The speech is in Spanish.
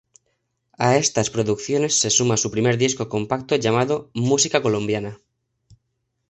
A estas producciones se suma su primer disco compacto llamado "Música colombiana".